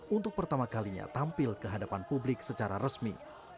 untuk pertama kalinya tampil ke hadapan publik secara resmi